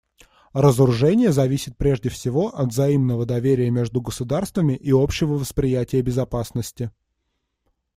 Разоружение зависит прежде всего от взаимного доверия между государствами и общего восприятия безопасности.